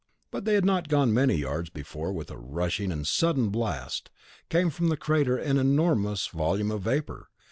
But they had not gone many yards, before, with a rushing and sudden blast, came from the crater an enormous volume of vapour.